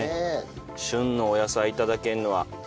旬のお野菜頂けるのは。